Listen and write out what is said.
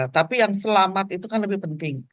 tapi yang selamat itu kan lebih penting